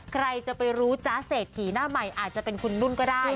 ใครจะไปรู้จ๊ะเศรษฐีหน้าใหม่อาจจะเป็นคุณนุ่นก็ได้